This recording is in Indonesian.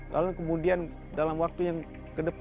lalu kemudian dalam waktu yang kedepan